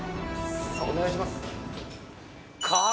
お願いします。